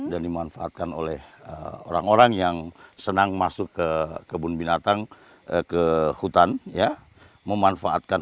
dan dimanfaatkan oleh orang orang yang senang masuk ke kebun binatang ke hutan ya memanfaatkan